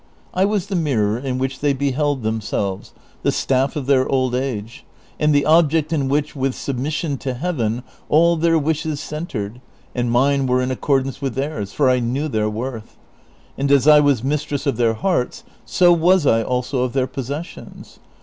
1 was the mirror in which they beheld themselves, the statf of their old age, and the object in which, with submission to Heaven, all their wishes centred, and mine were in accordance with theirs, for I knew their worth ; and as I was mistress of their hearts, so was I also of tlieir possessions.